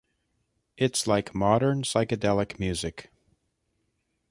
It's like modern psychedelic music.